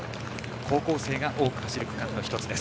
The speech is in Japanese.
高校生が多く走る区間の１つです。